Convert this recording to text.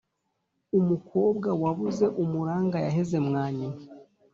Umukobwa wabuze umuranga yaheze mwa nyina.